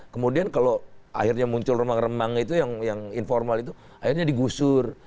kemudian kalau akhirnya muncul remang remang itu yang informal itu akhirnya digusur